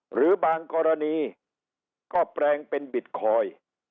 หรือบางกรณีก็แปลงเป็นบิตคอยน์